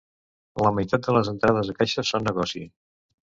La meitat de les entrades a caixa són negoci.